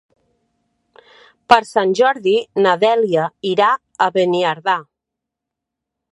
Per Sant Jordi na Dèlia irà a Beniardà.